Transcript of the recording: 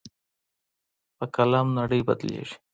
په قلم نړۍ بدلېږي.